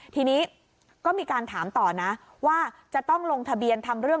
ทีนี้ก็มีการถามต่อนะว่าจะต้องลงทะเบียนทำเรื่อง